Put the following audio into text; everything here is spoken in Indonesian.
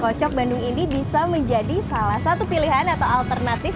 kocok bandung ini bisa menjadi salah satu pilihan atau alternatif